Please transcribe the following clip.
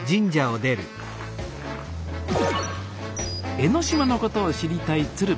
江の島のことを知りたい鶴瓶さん。